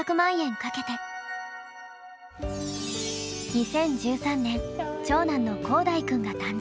２０１３年長男の光大くんが誕生。